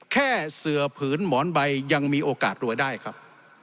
แค่เสือผืนหมอนใบยังมีโอกาสรวยได้ครับ